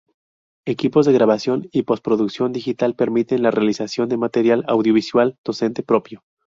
Equipos de grabación y posproducción digital permiten la realización de material audiovisual docente propio.